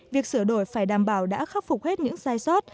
việc sửa đổi phải đảm bảo đã khắc phục hết những sai sót